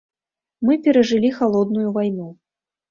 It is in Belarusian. Мы перажылі халодную вайну.